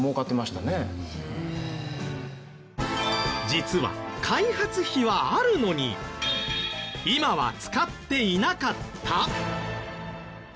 実は開発費はあるのに今は使っていなかった？